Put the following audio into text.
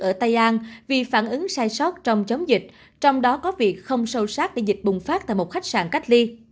ở tây an vì phản ứng sai sót trong chống dịch trong đó có việc không sâu sát để dịch bùng phát tại một khách sạn cách ly